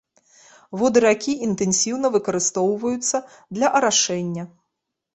Воды ракі інтэнсіўна выкарыстоўваюцца для арашэння.